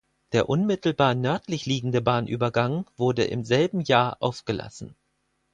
Der unmittelbar nördlich liegende Bahnübergang wurde im selben Jahr aufgelassen.